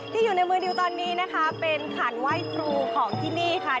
อยู่ในมือดิวตอนนี้นะคะเป็นขันไหว้ครูของที่นี่ค่ะ